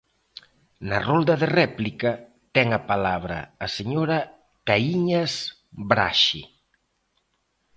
Na rolda de réplica, ten a palabra a señora Caíñas Braxe.